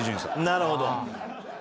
なるほど。